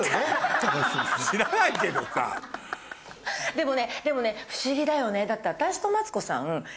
でもねでもね不思議だよねだって。